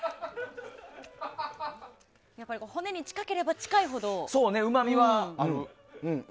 やっぱり骨に近ければ近いほど。